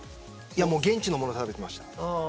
現地のものを食べてました。